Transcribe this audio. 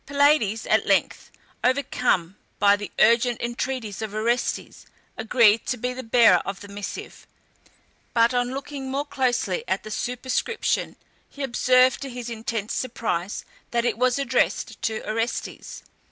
Pylades, at length overcome by the urgent entreaties of Orestes, agreed to be the bearer of the missive, but on looking more closely at the superscription, he observed, to his intense surprise, that it was addressed to Orestes.